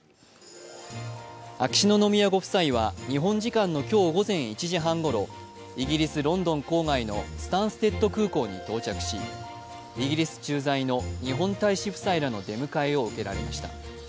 秋篠宮ご夫妻は日本時間の今日午前１時半ごろイギリスロンドン郊外のスタンステッド空港に到着し、イギリス駐在の日本大使夫妻らの出迎えを受けられました。